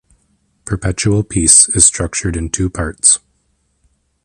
"Perpetual Peace" is structured in two parts.